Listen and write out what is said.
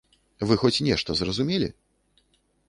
Вы хоць нешта зразумелі?